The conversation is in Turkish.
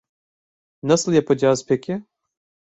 Nasıl yapacağız peki?